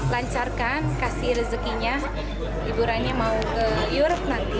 lancarkan kasih rezekinya liburannya mau ke europe nanti